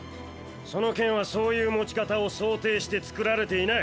その剣はそういう持ち方を想定して作られていない。